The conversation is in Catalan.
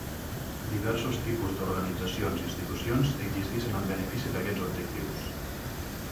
Diversos tipus d'organitzacions i institucions existeixen en benefici d'aquests objectius.